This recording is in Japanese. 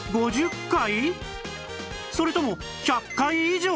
それとも１００回以上？